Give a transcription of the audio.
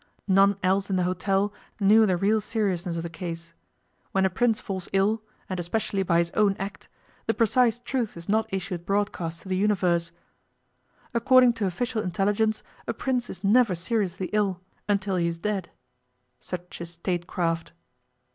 None else in the hotel knew the real seriousness of the case. When a Prince falls ill, and especially by his own act, the precise truth is not issued broadcast to the universe. According to official intelligence, a Prince is never seriously ill until he is dead. Such is statecraft.